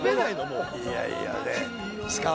いやいや。